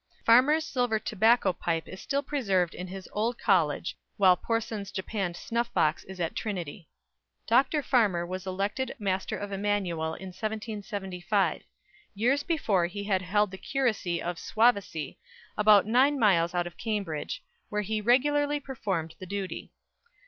Farmer's silver tobacco pipe is still preserved in his old college, while Porson's japanned snuff box is at Trinity. Dr. Farmer was elected Master of Emmanuel in 1775. Years before he had held the curacy of Swavesey, about nine miles out of Cambridge, where he regularly performed the duty.